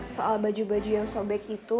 soal baju baju yang sobek itu